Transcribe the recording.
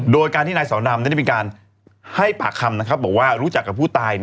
โดยการที่นายสอนรามเป็นการให้ปากคำบอกว่ารู้จักกับผู้ตาย